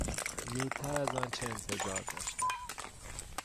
زودتر از آنچه انتظار داشتم